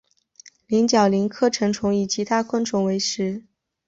蝶角蛉科成虫以其他昆虫为食。